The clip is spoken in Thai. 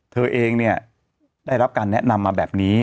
เธอเองเนี่ยได้รับการแนะนำมาแบบนี้